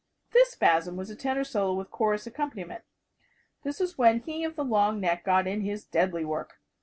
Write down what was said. This spasm was a tenor solo with chorus accompaniment. This was when he of the long neck got in his deadly work.